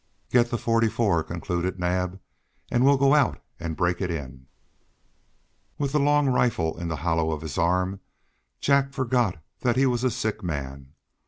"Get the forty four," concluded Naab, "and we'll go out and break it in." With the long rifle in the hollow of his arm Jack forgot that he was a sick man.